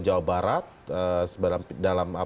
jawa barat dalam